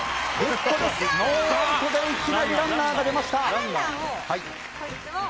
ノーアウトでいきなりランナーが出ました！